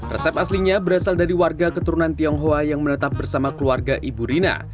resep aslinya berasal dari warga keturunan tionghoa yang menetap bersama keluarga ibu rina